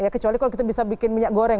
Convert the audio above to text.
kecuali kalau kita bisa bikin minyak goreng